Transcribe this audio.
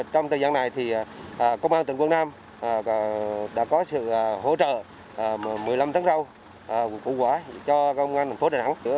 trong thời gian này thì công an tỉnh quảng nam đã có sự hỗ trợ một mươi năm tháng râu của quốc hội cho công an thành phố đà nẵng